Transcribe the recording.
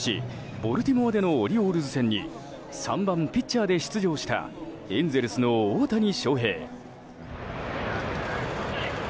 ボルティモアでのオリオールズ戦に３番ピッチャーで出場したエンゼルスの大谷翔平。